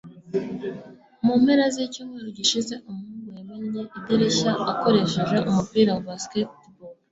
mu mpera z'icyumweru gishize, umuhungu yamennye idirishya akoresheje umupira wa baseball